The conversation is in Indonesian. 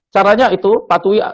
caranya itu patuhi